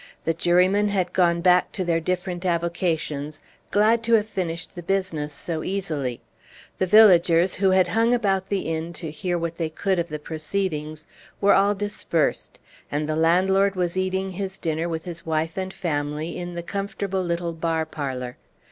The jurymen had gone back to their different avocations, glad to have finished the business so easily; the villagers, who had hung about the inn to hear what they could of the proceedings, were all dispersed; and the landlord was eating his dinner, with his wife and family, in the comfortable little bar parlor.